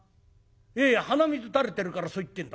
いやいや鼻水たれてるからそう言ってんだ。